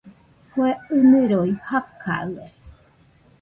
Kue ɨniroi jakaɨe